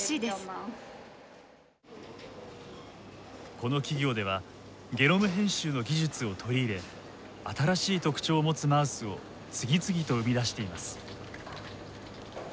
この企業ではゲノム編集の技術を取り入れ新しい特徴を持つマウスを次々と生み出しています。